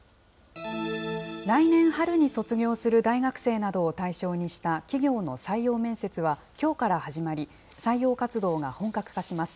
来年春に卒業する大学生などを対象にした企業の採用面接はきょうから始まり、採用活動が本格化します。